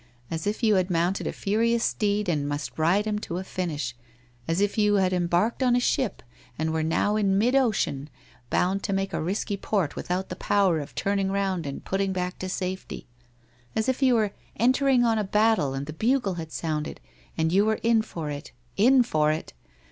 As if you had mounted a furious steed and must ride him to a finish — as if you had embarked on a ship, and were now in mid ocean, bound to make a risky port without the power of turning round and putting back to safety — as if you were entering on a battle and the bugle had sounded, and you were in for it — in for it!